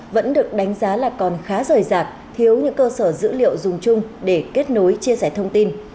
vẫn được đánh giá là còn khá rời rạc thiếu những cơ sở dữ liệu dùng chung để kết nối chia sẻ thông tin